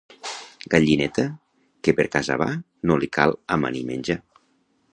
Gallineta que per casa va, no li cal amanir menjar.